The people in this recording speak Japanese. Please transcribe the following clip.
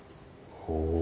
ほう。